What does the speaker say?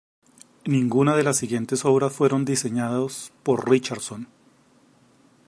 Ninguna de las siguientes obras fueron diseñados por Richardson.